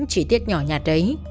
chỉ tiết nhỏ nhạt đấy